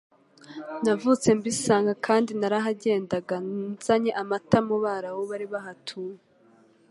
navutse mbisanga kandi narahagendaga nzanye amata mu Barabu bari bahatuye